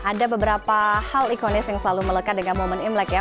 ada beberapa hal ikonis yang selalu melekat dengan momen imlek ya